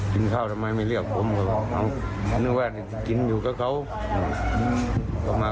กินข้าวทำไมไม่เรียกผมเขานึกว่าจะกินอยู่กับเขา